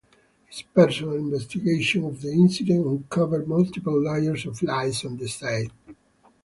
His personal investigation of the incident uncovers multiple layers of lies and deceit.